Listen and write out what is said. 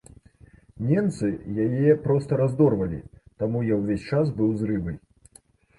Ненцы яе проста раздорвалі, таму я ўвесь час быў з рыбай.